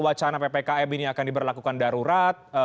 wacana ppkm ini akan diberlakukan darurat